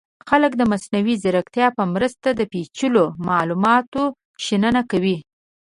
خلک د مصنوعي ځیرکتیا په مرسته د پیچلو معلوماتو شننه کوي.